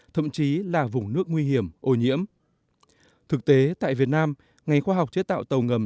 thậm chí là vùng nước nguy hiểm ô nhiễm thực tế tại việt nam ngành khoa học chế tạo tàu ngầm